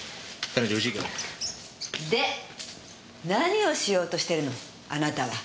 で何をしようとしてるのあなたは。